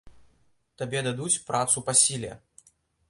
Табе дадуць працу па сіле.